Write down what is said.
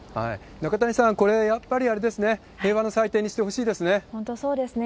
中谷さん、これ、やっぱりあれですね、平和の祭典にしてほしいですね。